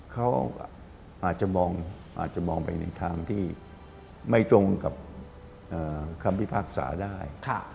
เขาอาจจะมองไปในทางที่ไม่ตรงกับคำพิพากษาได้